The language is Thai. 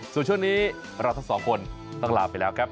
ส่วนช่วงนี้เราทั้งสองคนต้องลาไปแล้วครับ